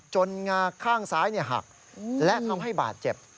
งาข้างซ้ายหักและทำให้บาดเจ็บ